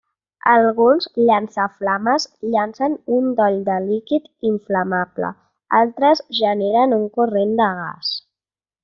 Alguns llançaflames llancen un doll de líquid inflamable; altres generen un corrent de gas.